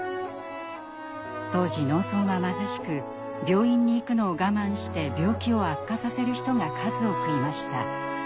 当時農村は貧しく病院に行くのを我慢して病気を悪化させる人が数多くいました。